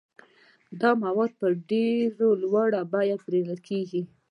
دا مواد په ډېره لوړه بیه پلورل کیږي.